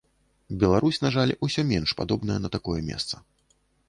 Беларусь, на жаль, усё менш падобная на такое месца.